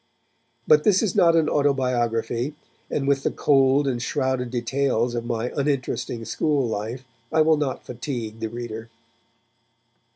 But this is not an autobiography, and with the cold and shrouded details of my uninteresting school life I will not fatigue the reader.